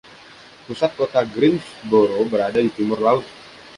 Pusat kota Greensboro berada di timur laut.